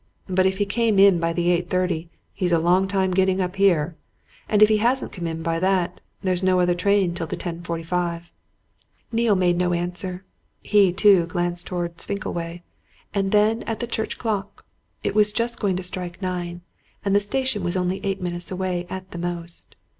But if he came in by the 8.30, he's a long time getting up here. And if he hasn't come by that, there's no other train till the 10.45." Neale made no answer. He, too, glanced towards Finkleway, and then at the church clock. It was just going to strike nine and the station was only eight minutes away at the most.